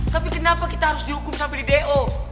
tapi kenapa kita harus dihukum sampai di do